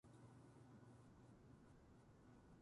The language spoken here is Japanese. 彼は言った、元気か。